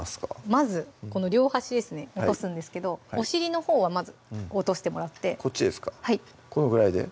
まず両端ですね落とすんですけどお尻のほうはまず落としてもらってこっちですかこのぐらいで？